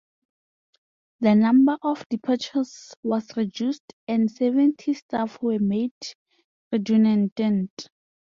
The number of departures was reduced and seventy staff were made redundant.